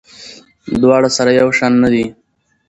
دواړه سره یو شان نه دي.